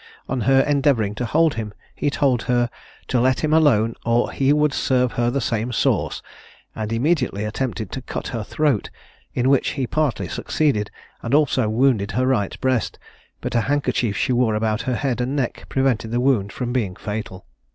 On her endeavouring to hold him, he told her "to let him alone, or he would serve her the same sauce," and immediately attempted to cut her throat, in which he partly succeeded, and also wounded her right breast; but a handkerchief she wore about her head and neck prevented the wound from being fatal.